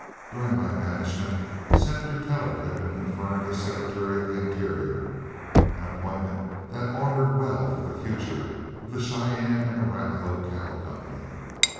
During my banishment, Senator Teller had been confirmed as Secretary of the Interior, an appointment that augured well for the future of the Cheyenne and Arapahoe Cattle Company.